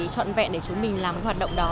trọn vẹn để chúng mình làm hoạt động đó